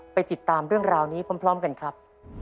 ติดตามเรื่องราวนี้พร้อมกันครับ